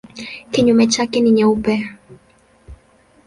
Kinyume chake ni nyeupe.